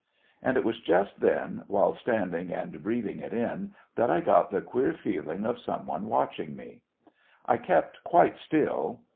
And it was just then, while standing and breathing it in, that I got the queer feeling of some one watching me. I kept quite still.